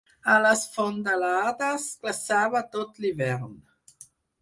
A les fondalades, glaçava tot l'hivern.